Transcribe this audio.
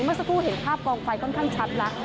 เมื่อสักครู่เห็นภาพกองไฟค่อนข้างชัดแล้ว